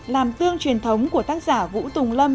làm tương truyền thống của tác giả vũ tùng lâm